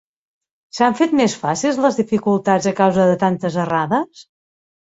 S'han fet més fàcils les dificultats a causa de tantes errades?